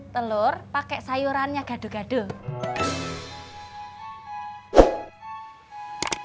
telur pake sayurannya gadul gadul